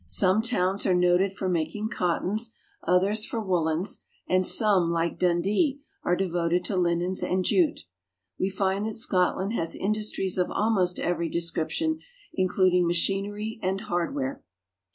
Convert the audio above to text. Some towns are noted for making cottons, others for woolens, and some, like Dundee, are devoted to linens and jute. We find that Scotland has industries of almost every de scription, including machinery and hardware.